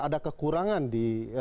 ada kekurangan di